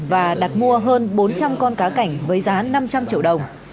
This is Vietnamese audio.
và đặt mua hơn bốn trăm linh con cá cảnh với giá năm trăm linh triệu đồng